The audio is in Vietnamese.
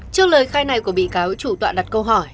trước lời khai này của bị cáo chủ tọa đặt câu hỏi